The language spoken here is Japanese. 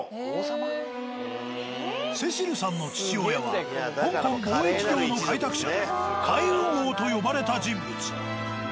セシルさんの父親は香港貿易業の開拓者で海運王と呼ばれた人物。